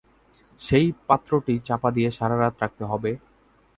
সেই পাত্রটি চাপা দিয়ে সারা রাত রাখতে হবে।